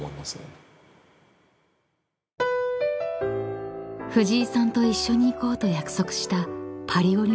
［藤井さんと一緒に行こうと約束したパリオリンピック］